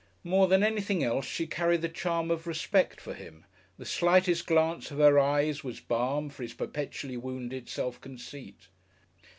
More than anything else, she carried the charm of respect for him, the slightest glance of her eyes was balm for his perpetually wounded self conceit.